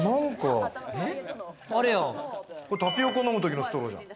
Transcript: これ、タピオカ飲むときのストローじゃん。